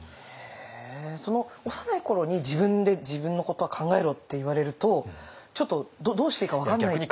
へえ幼い頃に「自分で自分のことは考えろ」って言われるとちょっとどうしていいか分かんないって。